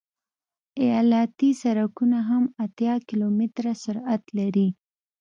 ایالتي سرکونه هم اتیا کیلومتره سرعت لري